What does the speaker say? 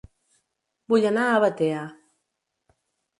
Vull anar a Batea